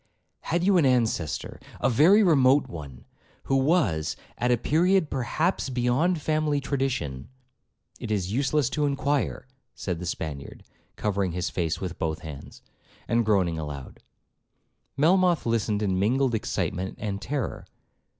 'Had you an ancestor, a very remote one, who was—at a period perhaps beyond family tradition—It is useless to inquire,' said the Spaniard, covering his face with both his hands, and groaning aloud. Melmoth listened in mingled excitement and terror.